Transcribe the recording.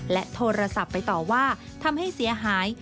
โทรศัพท์ไปต่อว่าทำให้เสียหาย